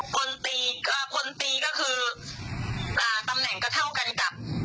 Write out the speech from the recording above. คนตีก็คือตำแหน่งก็เท่ากันกับ